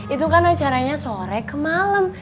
itu kan acaranya sore ke malam